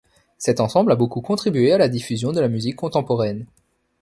Cet ensemble a beaucoup contribué à la diffusion de la musique contemporaine.